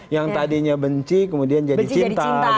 yang tadinya benci kemudian jadi cinta